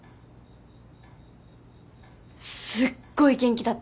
すっごい元気だった。